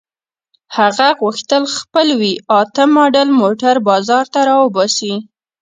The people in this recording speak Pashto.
هغه غوښتل خپل وي اته ماډل موټر بازار ته را وباسي.